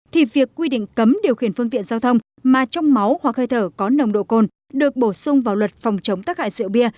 thì việc quy định cấm điều khiển phương tiện giao thông mà trong máu hoặc hơi thở có nồng độ cồn được bổ sung vào luật phòng chống tác hại rượu bia